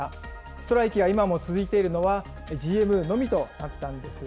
ストライキは今も続いているのは、ＧＭのみとなったんです。